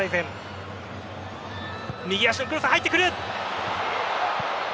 右足のクロスが入ってくる。